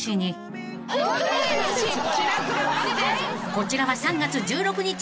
［こちらは３月１６日］